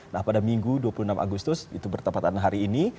nah pada minggu dua puluh enam agustus itu bertempatan hari ini